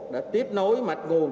đã tiếp nối mạch nguồn